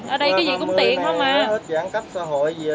ở đây cái gì cũng tiền thôi mà